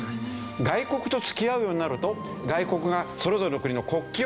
外国と付き合うようになると外国がそれぞれの国の国旗を掲げている。